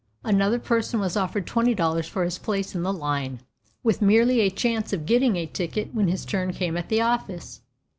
Another person was offered twenty dollars for his place in the line, with merely a chance of getting a ticket when his turn came at the office.